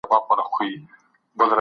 له اقتصاد پرته عصري ژوند شونی نه دی.